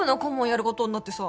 やることになってさ